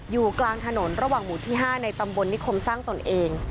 อยู่กลางถนนระหว่างหมู่ที่๕ในตำบลนิคมสร้างตนเอง